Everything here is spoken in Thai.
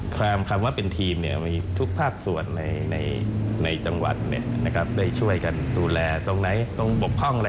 ถามท่านผู้ว่านิดนึงพรุ่งนี้แล้วพิธีปิดความพร้อมมากน้อยแค่ไหนคะ